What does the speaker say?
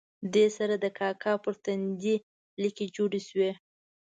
دې سره د کاکا پر تندي لیکې جوړې شوې.